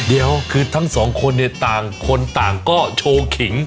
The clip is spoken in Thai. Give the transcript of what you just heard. เดี๋ยวคือทั้งสองคนคนต่างก็โชว์ขิง